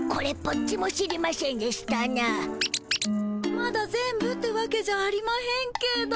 まだ全部ってわけじゃありまへんけど。